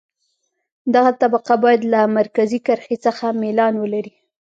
دغه طبقه باید له مرکزي کرښې څخه میلان ولري